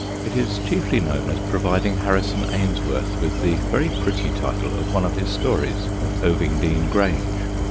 It is chiefly known as providing Harrison Ainsworth with the very pretty title of one of his stories, Ovingdean Grange.